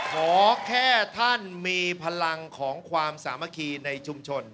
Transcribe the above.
ขอแค่ท่านมีพลังของความสามัคคีในชุมชน